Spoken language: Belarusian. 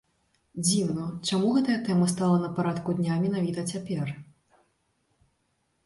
Дзіўна, чаму гэтая тэма стала на парадку дня менавіта цяпер.